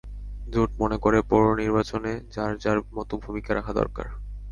জোট মনে করে, পৌর নির্বাচনে যার যার মতো ভূমিকা রাখা দরকার।